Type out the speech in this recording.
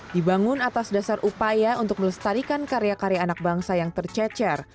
dibangun atas dasar upaya untuk melestarikan karya karya anak bangsa yang tercecer